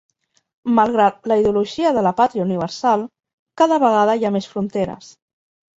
Malgrat la ideologia de "la pàtria universal", cada vegada hi ha més fronteres.